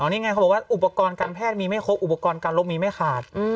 นี่ไงเขาบอกว่าอุปกรณ์การแพทย์มีไม่ครบอุปกรณ์การลบมีไม่ขาด